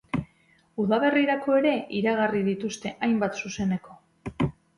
Udaberrirako ere iragarri dituzte hainbat zuzeneko.